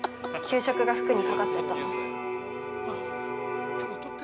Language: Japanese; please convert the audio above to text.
給食が服にかかっちゃったの。